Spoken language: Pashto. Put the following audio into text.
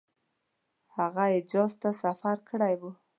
هغه حجاز ته سفر کړی وو.